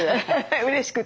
うれしくて。